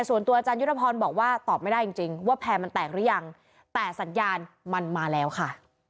ส่วนตัวอาจารยุทธพรบอกว่าตอบไม่ได้จริงจริงว่าแพร่มันแตกหรือยังแต่สัญญาณมันมาแล้วค่ะ